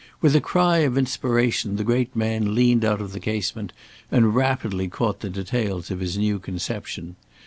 With a cry of inspiration the great man leaned out of the casement and rapidly caught the details of his new conception.